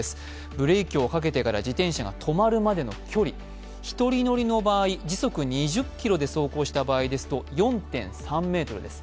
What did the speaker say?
ブレーキをかけてから自転車が止まるまでの距離、１人乗りの場合、時速２０キロで走行した場合ですと４．３ｍです。